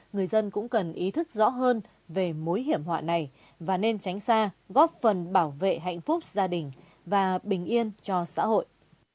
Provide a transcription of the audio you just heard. người dân cũng cần ý thức rõ hơn về mối hiểm họa này và nên tránh xa góp phần bảo vệ hạnh phúc gia đình và bình yên cho xã hội